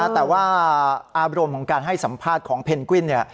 แต่ว่าอารมณ์ของการให้สัมภาษณ์ของเพนกวิน